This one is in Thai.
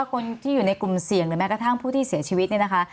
คนที่อยู่ในกลุ่มเสี่ยงหรือแม้กระทั่งผู้ที่เสียชีวิตเนี่ยนะคะ